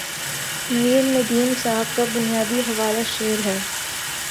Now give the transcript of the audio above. نیّرندیم صاحب کا بنیادی حوالہ شعر ہے